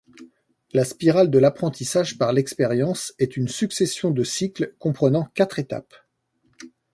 La spirale de l'apprentissage par l'expérience est une succession de cycles comprenant quatre étapes.